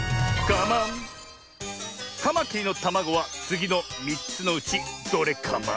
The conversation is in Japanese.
カマキリのたまごはつぎの３つのうちどれカマ？